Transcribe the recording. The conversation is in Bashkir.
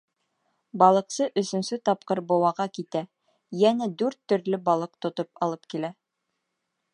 Балыҡсы өсөнсө тапҡыр быуаға китә, йәнә дүрт төрлө балыҡ тотоп алып килә.